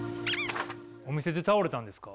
お店で倒れたんですか？